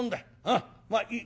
まあいい。